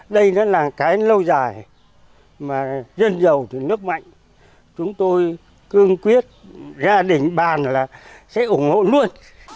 đây nó là cái lâu dài mà dân giàu thì nước mạnh chúng tôi cương quyết ra đỉnh bàn là sẽ ủng hộ luôn